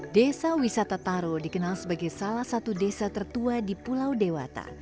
desa wisata taro dikenal sebagai salah satu desa tertua di pulau dewata